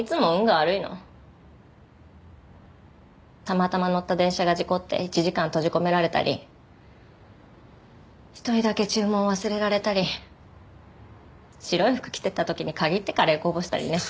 たまたま乗った電車が事故って１時間閉じ込められたり１人だけ注文を忘れられたり白い服着てった時に限ってカレーこぼしたりね。